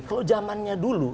kalau zamannya dulu